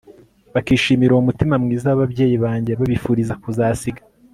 bakishimira uwo mutima mwiza w'ababyeyi bange, babifuriza kuzasiga